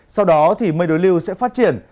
sau đó thì mây đối lưu sẽ phát triển